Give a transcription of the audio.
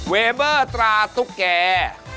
เวเบอร์ตราตุ๊กแก่